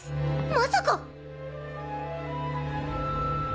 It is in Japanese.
まさか！